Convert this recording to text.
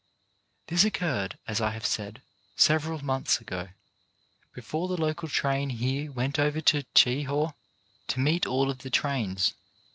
This occurred, as I have said, several months ago, before the local train here went over to Chehaw to meet all of the trains.